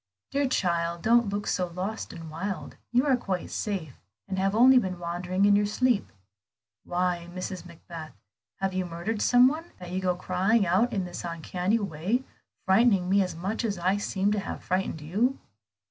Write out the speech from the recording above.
"Dear child, don't look so lost and wild. You are quite safe, and have only been wandering in your sleep. Why, Mrs. Macbeth, have you murdered some one, that you go crying out in this uncanny way, frightening me as much as I seem to have frightened you?"